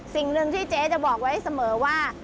สิ่งหนึ่งที่เจ๊จะบอกไว้เสมอว่า